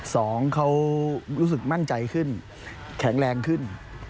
สองเขารู้สึกมั่นใจขึ้นแข็งแรงขึ้น